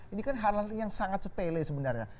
ini kan hal hal yang sangat sepele sebenarnya